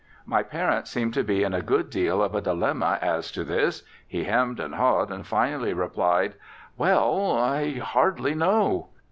My parent seemed to be in a good deal of a dilemma as to this. He hemmed and hawed and finally replied: "Well, I hardly know."